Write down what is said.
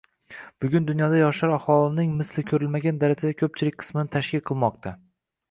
Bugun dunyoda yoshlar aholining misli koʻrilmagan darajada koʻpchilik qismini tashkil qilmoqda.